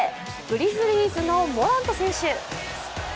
グリズリーズのモラント選手。